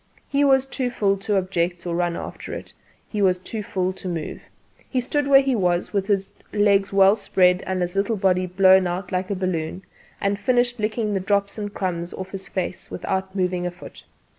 He was too full to object or to run after it; he was too full to move. He stood where he was, with his legs well spread and his little body blown out like a balloon, and finished licking the drops and crumbs off his face without moving a foot.